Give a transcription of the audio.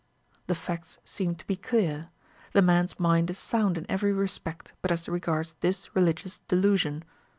The facts seem to be clear. The man's mind is sound in every respect but as regards this religious delusion.